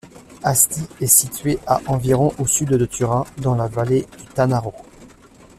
Asti est situé à environ au sud de Turin, dans la vallée du Tanaro.